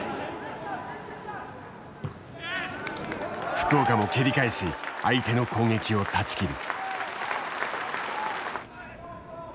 福岡も蹴り返し相手の攻撃を断ち切る。